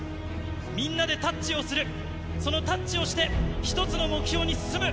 みんなでタッチをする、そのタッチをして、一つの目標に進む。